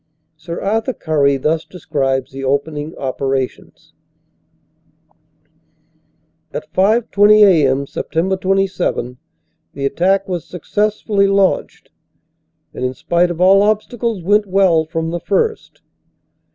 Sir Arthur Currie thus describes the opening operations : "At 5.20 a.m., Sept. 27, the attack was successfully launched, and in spite of all obstacles went well from the first.